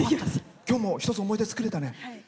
きょうも一つ思い出作れたね。